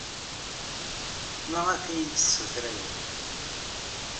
Maɣef ay iyi-d-tessuter aya?